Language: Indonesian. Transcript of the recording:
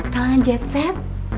kalangan jet set